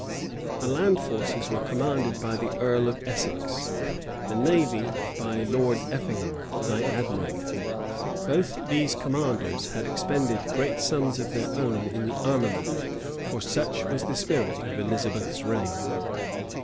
The land forces were commanded by the earl of Essex; the navy by Lord Effingham, high admiral. Both these commanders had expended great sums of their own in the armament; for such was the spirit of Elizabeth's reign.